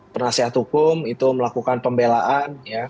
penasehat hukum itu melakukan pembelaan